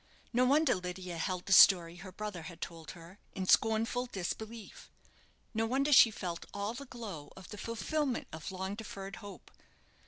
No wonder Lydia held the story her brother had told her in scornful disbelief; no wonder she felt all the glow of the fulfilment of long deferred hope.